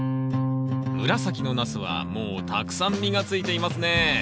紫のナスはもうたくさん実がついていますね。